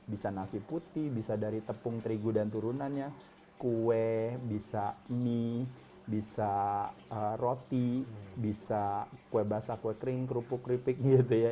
bisa nasi putih bisa dari tepung terigu dan turunannya kue bisa mie bisa roti bisa kue basah kue kering kerupuk keripik gitu ya